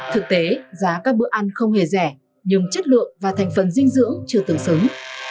thực tế giá các bữa ăn không hề rẻ nhưng chất lượng và thành phần dinh dưỡng chưa tương xứng